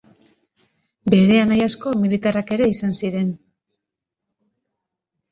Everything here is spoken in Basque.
Bere anai asko militarrak ere izan ziren.